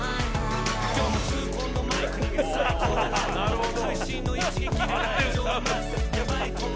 なるほど！